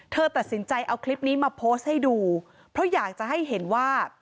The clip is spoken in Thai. เธอตัดสินใจเอาคลิปนี้มาโพสต์ให้ดูเพราะอยากจะให้เห็นว่า